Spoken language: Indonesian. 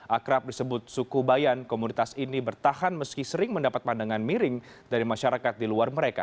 akrab disebut suku bayan komunitas ini bertahan meski sering mendapat pandangan miring dari masyarakat di luar mereka